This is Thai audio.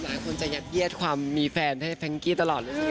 หลายคนจะยัดเยียดความมีแฟนให้แพงกี้ตลอดเลย